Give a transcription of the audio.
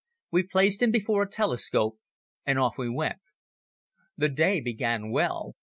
We placed him before a telescope and off we went. The day began well.